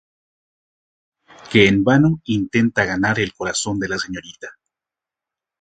Fantozzi, que en vano intenta ganar el corazón de la Srta.